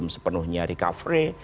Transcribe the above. belum sepenuhnya recovery